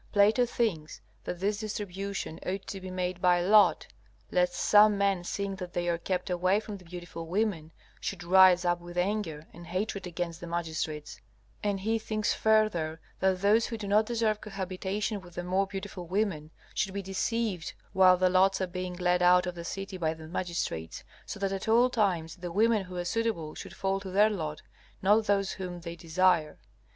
Plato thinks that this distribution ought to be made by lot, lest some men seeing that they are kept away from the beautiful women, should rise up with anger and hatred against the magistrates; and he thinks further that those who do not deserve cohabitation with the more beautiful women, should be deceived while the lots are being led out of the city by the magistrates, so that at all times the women who are suitable should fall to their lot, not those whom they desire.